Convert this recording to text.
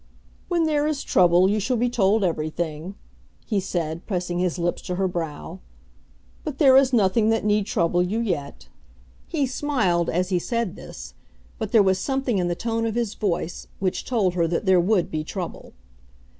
"When there is trouble, you shall be told everything," he said, pressing his lips to her brow, "but there is nothing that need trouble you yet." He smiled as he said this, but there was something in the tone of his voice which told her that there would be trouble.